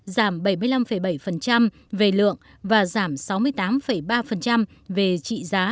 giảm bảy mươi năm bảy về lượng và giảm sáu mươi tám ba về trị giá